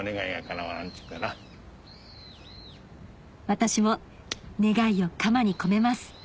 私も願いを鎌に込めます